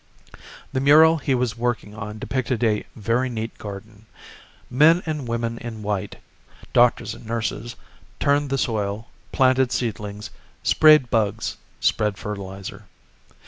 The mural he was working on depicted a very neat garden. Men and women in white, doctors and nurses, turned the soil, planted seedlings, sprayed bugs, spread fertilizer.